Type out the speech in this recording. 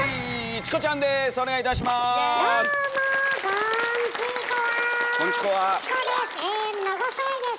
チコです